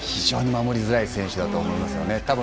非常に守りづらい選手だと思います。